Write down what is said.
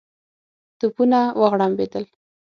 توپونه وغړمبېدل.